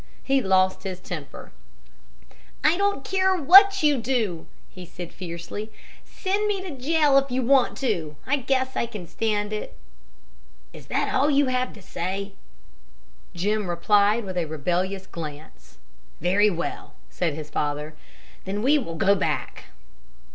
He lost his temper. "I don't care what you do!" he said fiercely. "Send me to jail if you want to. I guess I can stand it!" "Is that all you have to say?" Jim replied with a rebellious glance. "Very well," said his father. "Then we will go back."